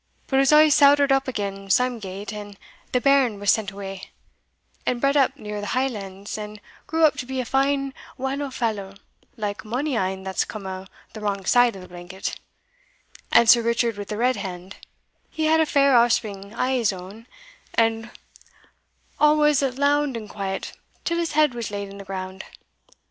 But it was a' sowdered up again some gait, and the bairn was sent awa, and bred up near the Highlands, and grew up to be a fine wanle fallow, like mony ane that comes o' the wrang side o' the blanket; and Sir Richard wi' the Red hand, he had a fair offspring o'his ain, and a was lound and quiet till his head was laid in the ground.